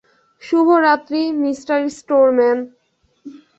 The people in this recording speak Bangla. শুভরাত্রি, মিঃ স্টোরম্যান।